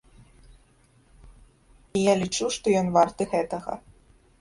І я лічу, што ён варты гэтага.